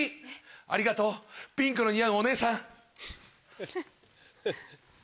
ありがとうピンクの似合うお姉さん。